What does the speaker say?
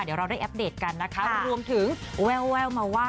เดี๋ยวเราได้อัปเดตกันนะคะรวมถึงแววมาว่า